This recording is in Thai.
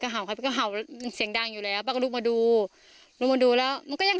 ห่าวห่าวเสร็จแล้วมันก็ยัง